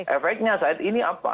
efeknya saat ini apa